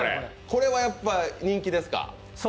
これはやっぱ人気ですか？